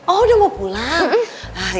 oh udah mau pulang